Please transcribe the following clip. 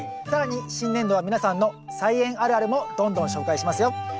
更に新年度は皆さんの菜園あるあるもどんどん紹介しますよ。